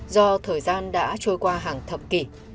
do thời gian đã trôi qua hàng thập kỷ